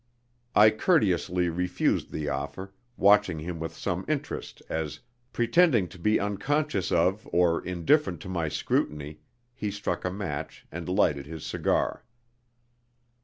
I courteously refused the offer, watching him with some interest as, pretending to be unconscious of or indifferent to my scrutiny, he struck a match and lighted his cigar.